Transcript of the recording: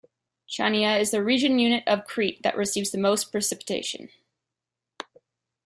Chania is the regional unit of Crete that receives the most precipitation.